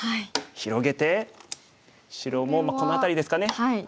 広げて白もこの辺りですかね。